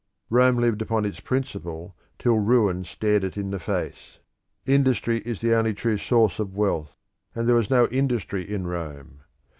Rome lived upon its principal till ruin stared it in the face. Industry is the only true source of wealth, and there was no industry in Rome.